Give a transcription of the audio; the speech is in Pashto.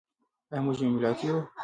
ایا موږ یو ملت یو؟